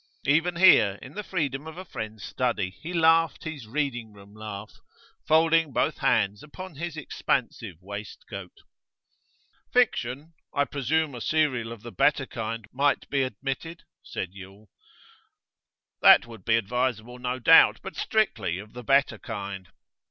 Even here, in the freedom of a friend's study, he laughed his Reading room laugh, folding both hands upon his expansive waistcoat. 'Fiction? I presume a serial of the better kind might be admitted?' said Yule. 'That would be advisable, no doubt. But strictly of the better kind.